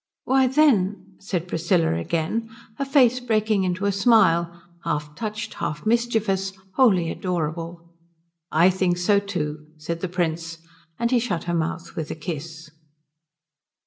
"Why, then " said Priscilla again, her face breaking into a smile, half touched, half mischievous, wholly adorable. "I think so too," said the Prince; and he shut her mouth with a kiss.